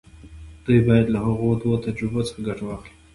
دوی بايد له هغو دوو تجربو څخه ګټه واخلي.